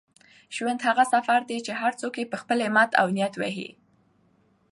ژوند هغه سفر دی چي هر څوک یې په خپل همت او نیت وهي.